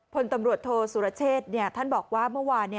พลตำรวจโทษสุรเชษท่านบอกว่าเมื่อวาน